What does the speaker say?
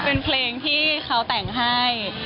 เป็นเพลงที่เขาแต่งให้